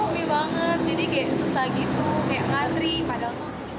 bagus tapi komi banget jadi kayak susah gitu kayak ngatri padahal